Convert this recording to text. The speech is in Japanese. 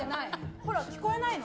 ほら、聴こえないの？